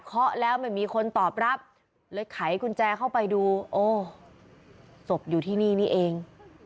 แล้วไม่มีคนตอบรับเลยไขกุญแจเข้าไปดูโอ้ศพอยู่ที่นี่นี่เอง